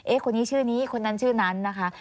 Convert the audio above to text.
คนนี้ชื่อนี้คนนั้นชื่อนั้นนะคะ